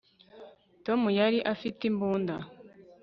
tom yari afite imbunda